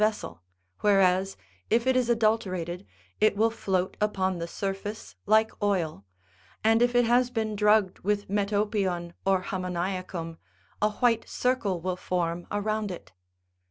151 vessel, whereas, if it is adulterated, it will float upon the sur face like oil, and if it has been drugged with _ metopion or hammoniacum, a white circle will form around it.